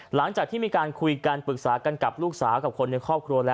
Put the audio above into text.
หลังจากที่มีการคุยกันปรึกษากันกับลูกสาวกับคนในครอบครัวแล้ว